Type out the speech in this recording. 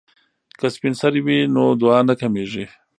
که سپین سرې وي نو دعا نه کمیږي.